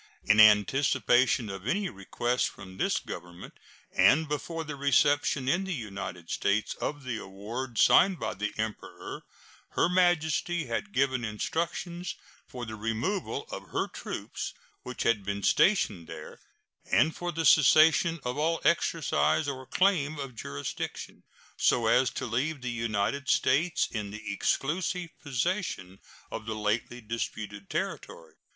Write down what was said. In anticipation of any request from this Government, and before the reception in the United States of the award signed by the Emperor, Her Majesty had given instructions for the removal of her troops which had been stationed there and for the cessation of all exercise or claim of jurisdiction, so as to leave the United States in the exclusive possession of the lately disputed territory.